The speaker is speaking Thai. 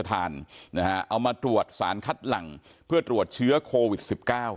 กันด้วยนะครับ